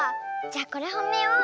じゃこれほめよう。